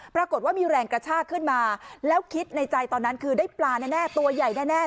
ปรากฏว่ามีแรงกระชากขึ้นมาแล้วคิดในใจตอนนั้นคือได้ปลาแน่ตัวใหญ่แน่